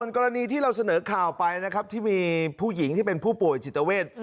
กรณีที่เราเสนอข่าวไปนะครับที่มีผู้หญิงที่เป็นผู้ป่วยจิตเวท